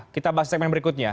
kita bahas segmen berikutnya